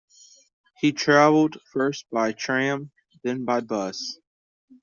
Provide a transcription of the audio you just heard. He travelled first by tram, then by bus